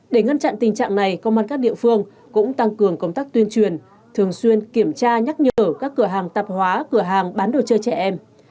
để ngăn chặn tình trạng này công an các địa phương cũng tăng cường công tác tuyên truyền thường xuyên kiểm tra nhắc nhở các cửa hàng tạp hóa cửa hàng bán đồ chơi trẻ em